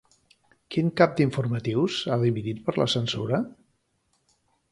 Quin cap d'informatius ha dimitit per la censura?